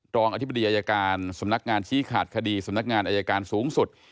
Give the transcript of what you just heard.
รองอธิบดีอายการสำนักงานชี้ขาดคดีสำนักงานอายการสูงสุด